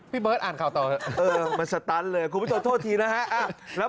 พี่เบิร์ทอ่านข่าวต่อเถอะ